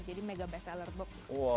jadi mega best seller bob